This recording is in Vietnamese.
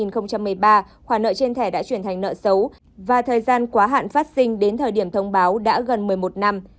năm hai nghìn một mươi ba khoản nợ trên thẻ đã chuyển thành nợ xấu và thời gian quá hạn phát sinh đến thời điểm thông báo đã gần một mươi một năm